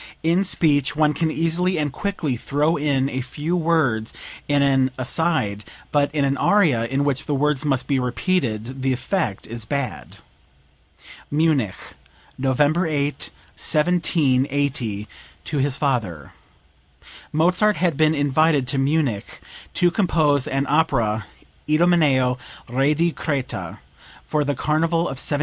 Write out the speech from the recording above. In speech one can easily and quickly throw in a few words in an aside; but in an aria, in which the words must be repeated, the effect is bad." (Munich, November 8, 1780, to his father. Mozart had been invited to Munich to compose an opera, "Idomeneo, Re di Creta," for the carnival of 1781.